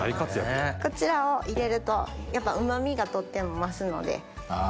こちらを入れるとやっぱうま味がとっても増すので。